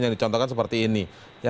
yang dicontohkan seperti ini